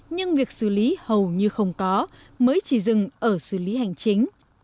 nhưng việc xử lý hầu như không có mới chỉ dừng ở xử lý hành chính